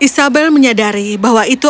suatu hari kelaku